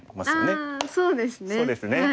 そうですね